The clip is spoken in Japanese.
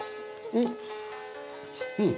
うん。